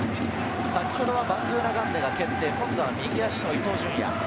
先ほどはバングーナガンデが蹴って、今度は右足の伊東純也。